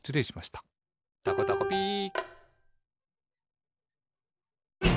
「たこたこピー」